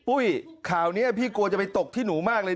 ข่าวนี้พี่กลัวจะไปตกที่หนูมากเลย